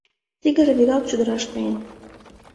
Тигр вигак чодыраш каен.